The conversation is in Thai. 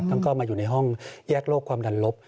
ต้องเข้ามาอยู่ในห้องแยกโลกความดันลบ